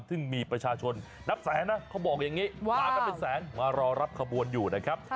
ซึ่งมีประชาชนนับแสนนะเขาบอกอย่างนี้มากันเป็นแสนมารอรับขบวนอยู่นะครับ